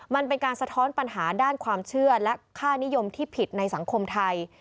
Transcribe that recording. มันเป็นการสะท้อนปัญหาด้านความเชื่อและค่านิยมที่ผิดในสังคมไทย